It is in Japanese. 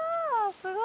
すごい。